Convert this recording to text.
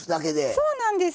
そうなんです。